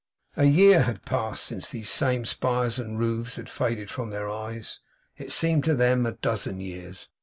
A year had passed since those same spires and roofs had faded from their eyes. It seemed to them, a dozen years.